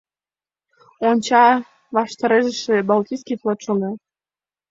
Онча, ваштарешыже «Балтийский флот» шога.